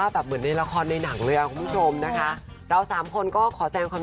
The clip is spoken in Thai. ทุกคนพอแต่งเสร็จปุ๊บนะคะวันรุ่งขึ้น